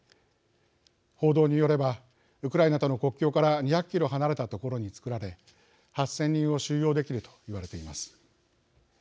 報道によればウクライナとの国境から２００キロ離れた所に作られ８０００人を収容できると言われています。